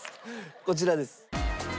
こちらです。